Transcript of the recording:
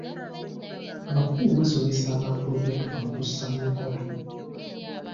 Abakungu baasomesa abantu okwetaba mu kussa mu nkola.